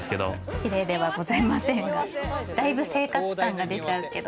キレイではございませんがだいぶ生活感が出ちゃうけど。